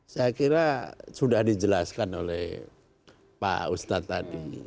saya kira sudah dijelaskan oleh pak ustadz tadi